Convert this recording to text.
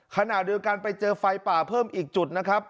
ขณะเดียวกันไปเจอไฟป่าเพิ่มอีกจุดนะครับ